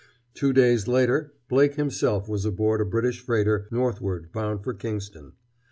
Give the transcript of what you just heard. Two days later Blake himself was aboard a British freighter northward bound for Kingston.